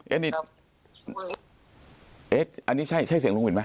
อันนี้เอ๊ะอันนี้ใช่ใช่เสียงลุงเห็นไหม